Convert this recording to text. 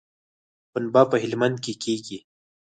پنبه په هلمند کې کیږي